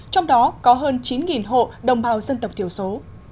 trong đó có hơn chín hộ đồng bào dân tộc thiểu số